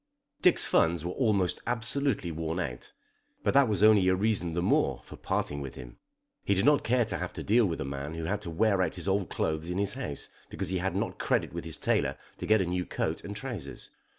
Dick's funds were almost absolutely worn out. But that was only a reason the more for parting with him. He did not care to have to deal with a man who had to wear out his old clothes in his house because he had not credit with his tailor to get a new coat and trousers.